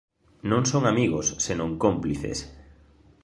Non son amigos, senón cómplices.